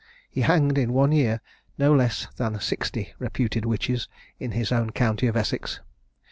He hanged, in one year, no less than sixty reputed witches of his own county of Essex.